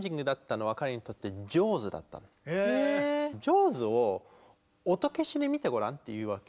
「ジョーズ」を音消しで見てごらんって言うわけよ。